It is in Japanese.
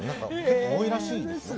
結構多いらしいですよ。